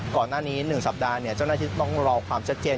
ก่อนหน้านี้๑สัปดาห์เจ้าหน้าที่ต้องรอความชัดเจน